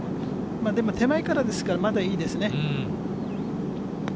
でも手前からですから、まだいいですね。